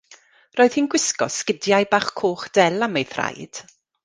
Roedd hi'n gwisgo sgidiau bach coch del am ei thraed.